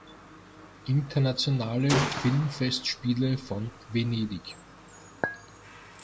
Internationale Filmfestspiele von Venedig